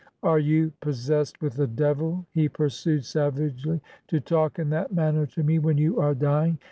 'Are you possessed with a devil?' he pursued savagely, ' to talk in that manner to me when you are dying?